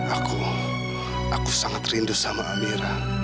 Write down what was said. aku aku sangat rindu sama amira